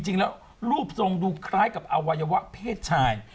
จริงแล้วรูปทรงดูคล้ายกับอวัยวะเพศชาย